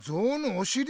おしり！